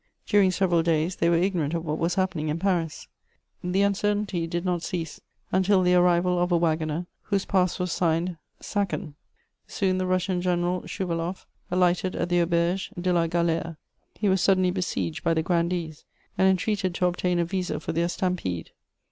During several days, they were ignorant of what was happening in Paris; the uncertainty did not cease until the arrival of a waggoner whose pass was signed "Sacken." Soon the Russian General Schouvaloff alighted at the Auberge de la Galère: he was suddenly besieged by the grandees, and entreated to obtain a visa for their stampede.